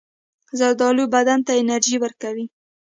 زردالو بدن ته انرژي ورکوي.